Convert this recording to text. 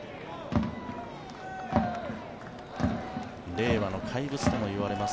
令和の怪物といわれます